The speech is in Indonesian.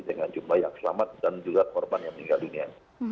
dengan jumlah yang selamat dan juga korban yang meninggal dunia